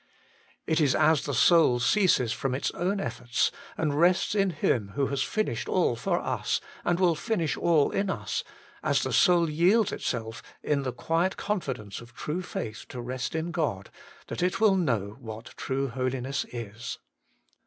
It is as the soul ceases from its own efforts, and rests in Him who has finished all for us, and will finish all in us, as the soul yields itself in the quiet confidence of true faith to rest in God, that it will know what true Holiness is.